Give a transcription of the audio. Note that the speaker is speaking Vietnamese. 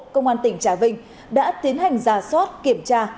công an tỉnh trà vinh đã tiến hành ra sót kiểm tra